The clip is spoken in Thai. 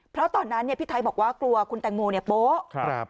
เพราะตอนนั้นเนี่ยพี่ไทยบอกว่ากลัวคุณแตงโมเนี่ยโป๊ะ